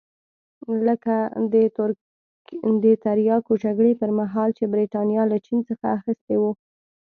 لکه د تریاکو جګړې پرمهال چې برېټانیا له چین څخه اخیستي وو.